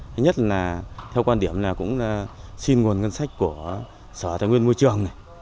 thứ nhất là theo quan điểm là cũng xin nguồn ngân sách của sở tài nguyên môi trường này